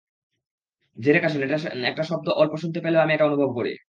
ঝেড়ে কাশুন এটা একটা শব্দ অল্প শুনতে পেলেও আমি এটা অনুভব করি।